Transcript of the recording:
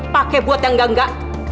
pakai buat yang nggak nggak